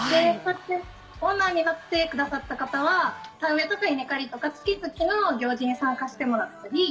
オーナーになってくださった方は田植えとか稲刈りとか月々の行事に参加してもらったり。